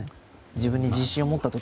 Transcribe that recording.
自分に自信を持った時。